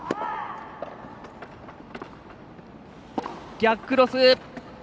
逆クロス！